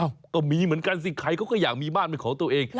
ก็มีเหมือนกันสิใครเขาก็อยากมีบ้านเป็นของตัวเอง